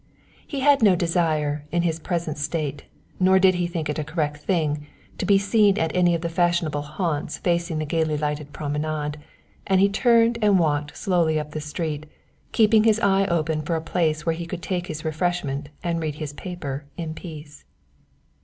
He had no desire, in his present state, nor did he think it a correct thing, to be seen at any of the fashionable haunts facing the gaily lighted promenade, and he turned and walked slowly up the street, keeping his eye open for a place where he could take his refreshment and read his paper in peace.